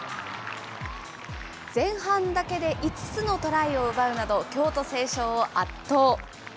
前半だけで５つのトライを奪うなど、京都成章を圧倒。